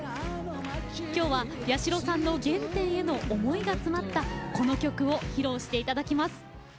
きょうは、八代さんの原点への思いが詰まったこの曲を披露していただきます。